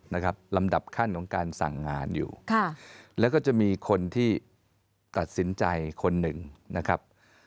ลำดับขั้นของการสั่งงานอยู่ค่ะแล้วก็จะมีคนที่ตัดสินใจคนหนึ่งนะครับ